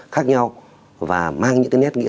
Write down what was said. khác nhau và mang những cái nét nghĩa